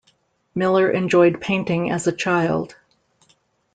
Miler enjoyed painting as a child.